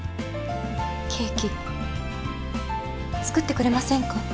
ケーキ作ってくれませんか？